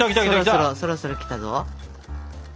そろそろそろそろきたぞ。